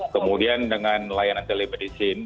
kemudian dengan layanan telemedicine